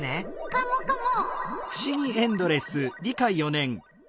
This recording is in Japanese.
カモカモ。